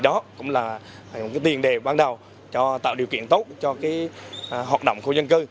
đó cũng là tiền đề ban đầu tạo điều kiện tốt cho hoạt động khu dân cư